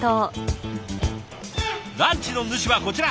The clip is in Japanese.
ランチの主はこちら。